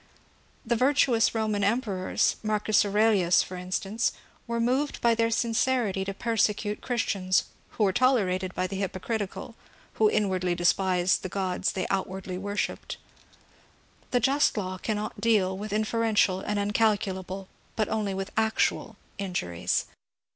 The virtuous Roman emperors, Marcus Aure lius for instance, were moved by their sincerity to persecute Christians, who were tolerated by the hypocritical, who in wardly despised the gods they outwardly worshipped. The just law cannot deal with inferential and uncalculable, but only with actual, injuries.